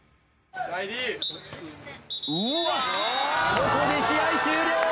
ここで試合終了！